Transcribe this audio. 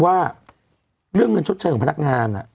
ว่าเรื่องเงินชดเชยของพนักงาน